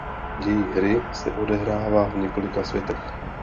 Děj hry se odehrává v několika světech.